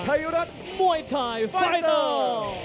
ไทยรัฐมวยไทยไฟเตอร์